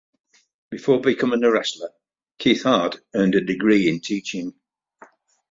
Before becoming a wrestler, Keith Hart earned a degree in teaching.